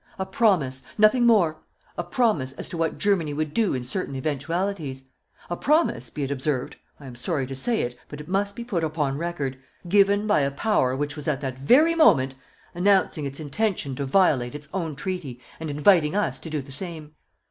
A promise nothing more; a promise as to what Germany would do in certain eventualities; a promise, be it observed I am sorry to say it, but it must be put upon record given by a Power which was at that very moment announcing its intention to violate its own treaty, and inviting us to do the same.